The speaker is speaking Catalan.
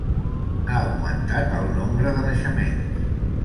Ha augmentat el nombre de naixements.